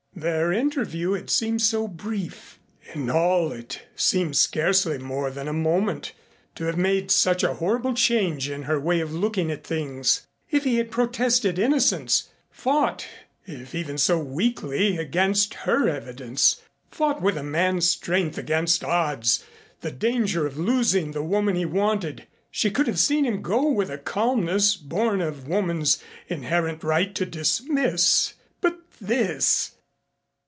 Their interview had seemed so brief in all it seemed scarcely more than a moment to have made such a horrible change in her way of looking at things. If he had protested innocence, fought, if even so weakly, against her evidence, fought with a man's strength against odds the danger of losing the woman he wanted, she could have seen him go with a calmness born of woman's inherent right to dismiss. But this